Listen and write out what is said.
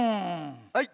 はい。